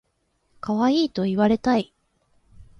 かわいいと言われたい